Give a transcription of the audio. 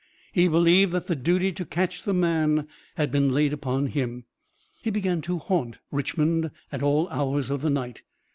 He believed that the duty to catch the man had been laid upon him. He began to haunt Richmond at all hours of the night.